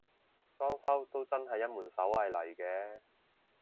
裝修都真係一門手藝嚟嘅